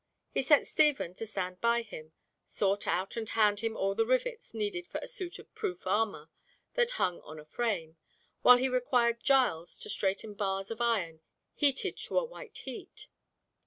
He set Stephen to stand by him, sort out and hand him all the rivets needed for a suit of proof armour that hung on a frame, while he required Giles to straighten bars of iron heated to a white heat.